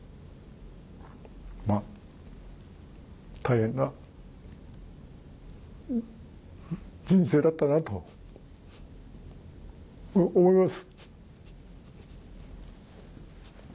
大変な人生だったなと思います。